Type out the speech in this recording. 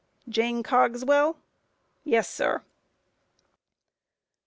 Q. Jane Cogswell? A. Yes, sir.